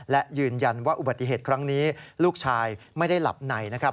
และยืนยันว่าอุบัติเหตุครั้งนี้ลูกชายไม่ได้หลับในนะครับ